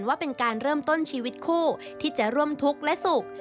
ว่าเป็นการเริ่มต้นชีวิตคู่ที่จะร่วมทุกข์และสุข